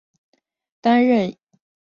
担任右后卫。